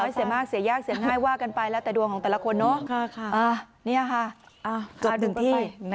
เสียงแรกเสียเยาะกันไปได้แต่ดัวกของคนเนอะ